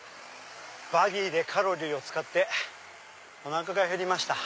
バギーでカロリーを使っておなかがへりました。